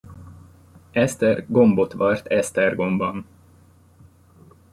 Eszter gombot varrt Esztergomban.